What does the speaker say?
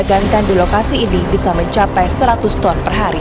pedagangkan di lokasi ini bisa mencapai seratus ton per hari